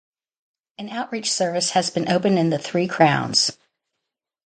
An outreach service has been opened in The Three Crowns.